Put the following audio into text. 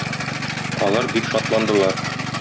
Алар бик шатландылар.